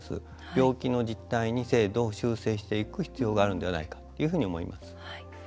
病気の実態に制度を修正していく必要があるのではと思います。